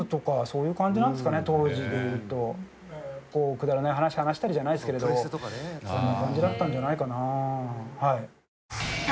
くだらない話話したりじゃないですけれどそんな感じだったんじゃないかなあ。